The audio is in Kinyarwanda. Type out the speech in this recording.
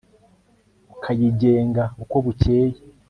ukayigenga uko bukeye